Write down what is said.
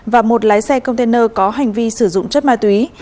và một lái xe container có hành vi sử dụng chất ma túy